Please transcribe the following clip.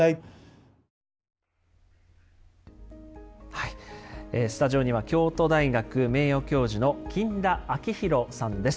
はいスタジオには京都大学名誉教授の金田章裕さんです。